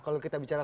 kalau kita bicara